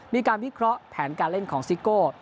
มีการวิเคราะห์แผนการเล่นของซิโก้